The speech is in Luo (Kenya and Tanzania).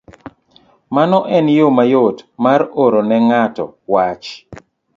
Mano en yo mayot mar oro ne ng'ato wach.